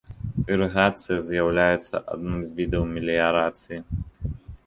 Ірыгацыя з'яўляецца адным з відаў меліярацыі.